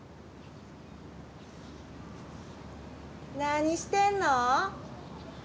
何してんの？